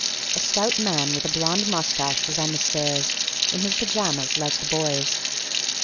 A stout man with a blonde moustache was on the stairs, in his pyjamas like the boys.